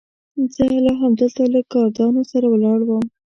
زه لا همدلته له ګاردانو سره ولاړ وم.